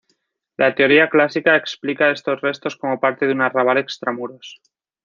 La teoría clásica explica estos restos como parte de un arrabal extramuros.